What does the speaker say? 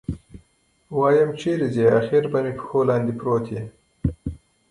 ويم چېرې ځې اخېر به مې پښو لاندې پروت يې.